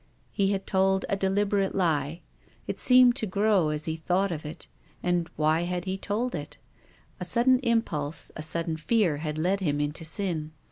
He had told a de liberate lie. It seemed to grow as he thought of it. And why had he told it? A sudden impulse, a sudden fear, had led him into sin.